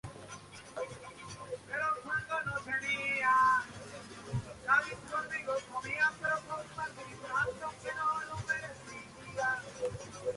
Tan sólo las primeras dos repúblicas producían toda clase de automóviles.